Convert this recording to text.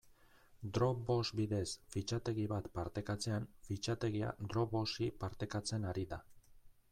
Dropbox bidez fitxategi bat partekatzean, fitxategia Dropboxi partekatzen ari da.